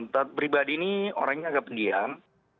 taat pribadi ini orangnya agak pendiam